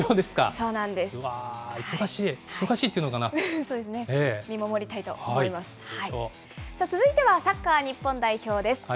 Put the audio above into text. さあ、続いてはサッカー日本代表です。